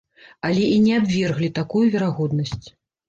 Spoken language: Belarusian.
Але і не абверглі такую верагоднасць.